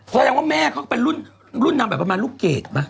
แสดงว่าแม่เขาก็เป็นรุ่นนางแบบประมาณลูกเกรดป่ะ